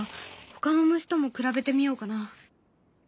ほかの虫とも比べてみようかな。